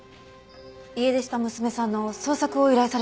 家出した娘さんの捜索を依頼されてますよね？